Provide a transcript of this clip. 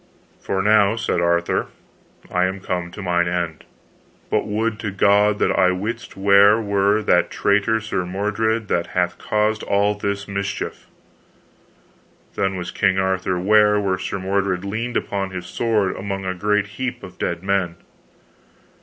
For now, said Arthur, I am come to mine end. But would to God that I wist where were that traitor Sir Mordred, that hath caused all this mischief. Then was King Arthur ware where Sir Mordred leaned upon his sword among a great heap of dead men.